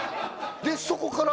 でそこから？